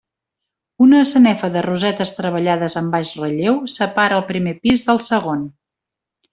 Una sanefa de rosetes treballades en baix relleu separa el primer pis del segon.